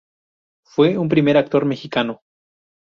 Fue un primer actor mexicano.